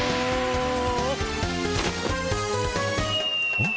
あっ。